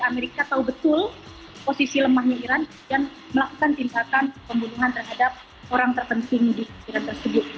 amerika tahu betul posisi lemahnya iran dan melakukan tindakan pembunuhan terhadap orang terpenting di iran tersebut